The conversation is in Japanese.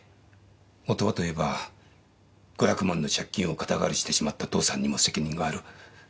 本はといえば５００万の借金を肩代わりしてしまった父さんにも責任がある。